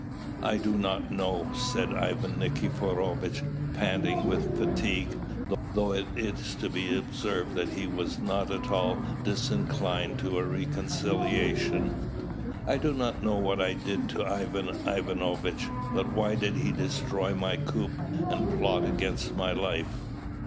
"I do not know," said Ivan Nikiforovitch, panting with fatigue, though it is to be observed that he was not at all disinclined to a reconciliation, "I do not know what I did to Ivan Ivanovitch; but why did he destroy my coop and plot against my life?"